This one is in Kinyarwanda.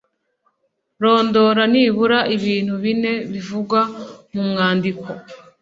Rondora nibura ibintu bine bivugwa mu mwandiko